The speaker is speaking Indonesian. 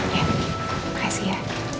ya terima kasih ya